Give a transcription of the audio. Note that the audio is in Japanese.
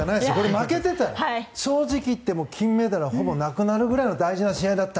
負けていたら正直言って金メダルはほぼなくなるぐらいの大事な試合だった。